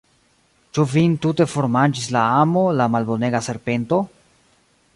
Ĉu vin tute formanĝis la amo, la malbonega serpento?